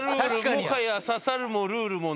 もはや刺さるもルールもない」。